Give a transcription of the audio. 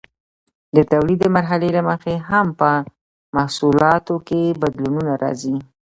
د تولید د مرحلې له مخې هم په محصولاتو کې بدلونونه راځي.